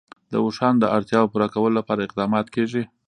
د اوښانو د اړتیاوو پوره کولو لپاره اقدامات کېږي.